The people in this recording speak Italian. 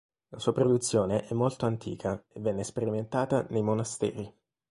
La sua produzione è molto antica e venne sperimentata nei monasteri.